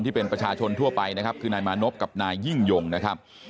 ที่เป็นประชาชนทั่วไปนะครับคือนายมานพกับนายยิ่งยงนะครับ